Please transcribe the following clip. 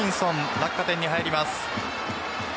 落下点に入ります。